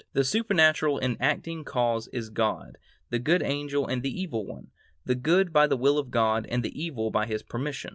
The supernatural and acting cause is God, the good angel and the evil one; the good by the will of God, and the evil by His permission....